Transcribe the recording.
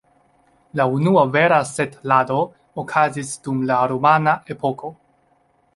La unua vera setlado okazis dum la romana epoko.